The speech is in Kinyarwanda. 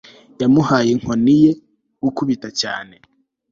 yamuhaye inkoni ye gukubita cyane